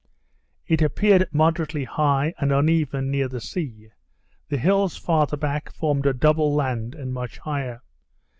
It appeared moderately high, and uneven near the sea; the hills farther back formed a double land, and much higher.